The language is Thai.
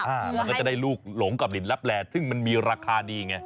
มันก็จะได้ลูกหลงกับลินลับแลซึ่งมันมีราคาดีไง